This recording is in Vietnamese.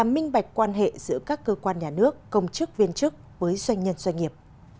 minh bạch quan hệ giữa các cơ quan nhà nước công chức viên chức với doanh nhân doanh nghiệp